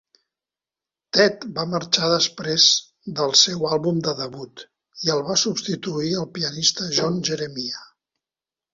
Ted va marxar després del seu àlbum de debut i el va substituir el pianista John Jeremiah.